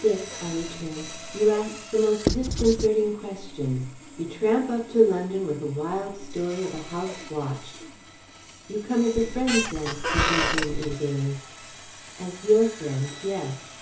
"Dick," I returned, "you ask the most disconcerting questions. You tramp up to London with a wild story of a house watched " "You come as a friend, then," he broke in eagerly. "As your friend, yes."